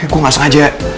gue gak sengaja